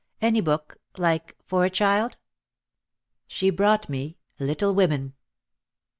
— any book — like for a child." She brought me "Little Women."